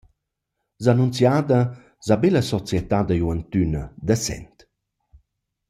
S’annunzchada s’ha be la Società da giuventüna da Sent.